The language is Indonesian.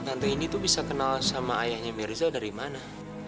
tante ini tuh bisa kenal sama ayahnya mirizal dari mana